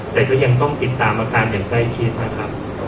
แต่ก็ยังต้องติดตามอาการอย่างใกล้ชิดนะครับ